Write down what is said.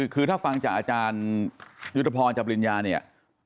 คือถ้าฟังจากอาจารยุทธพรจริญญาเนี่ย